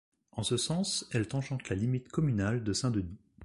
En ce sens, elle tangente la limite communale de Saint-Denis.